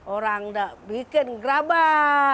orang yang membuat gerabah